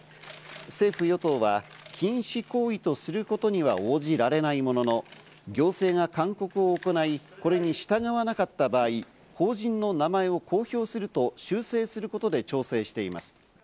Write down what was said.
政府・与党は禁止行為とすることには応じられないものの、行政が勧告を行い、これに従わなかった場合、法人の名前を公表すると修正することで調整しています。